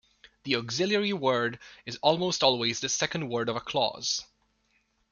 The auxiliary word is almost always the second word of a clause.